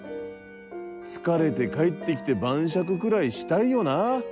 疲れて帰ってきて晩酌くらいしたいよな。